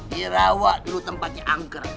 dirawat dulu tempatnya angker